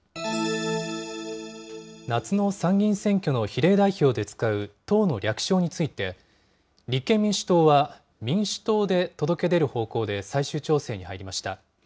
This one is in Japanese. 夏の参議院選挙の比例代表で使う党の略称について、立憲民主党は、民主党で届け出る方向で最終調整に入りました。